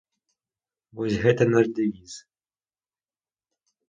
Вось гэта наш дэвіз.